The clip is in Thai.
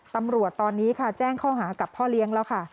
ตำรวจตอนนี้ค่ะแจ้งข้อหากับพ่อเลี้ยงแล้วค่ะ